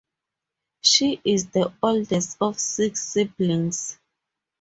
She is the oldest of six siblings.